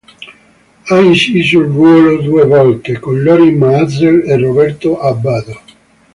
Ha inciso il ruolo due volte, con Lorin Maazel e Roberto Abbado.